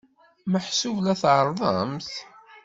Meḥsub la tɛerrḍemt?